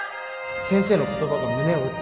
先生の言葉が胸を打った